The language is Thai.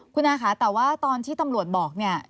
คุณอาค่ะแต่ว่าตอนที่ตำรวจบอกเนี่ย